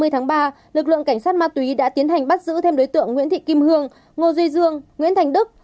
ba mươi tháng ba lực lượng cảnh sát ma túy đã tiến hành bắt giữ thêm đối tượng nguyễn thị kim hương ngô duy dương nguyễn thành đức